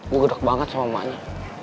gua gedeg banget sama emaknya